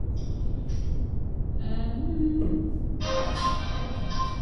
patikana jamii husika ya twiga huenda ikawa pia ni namna ya kuwa tofautisha wanyama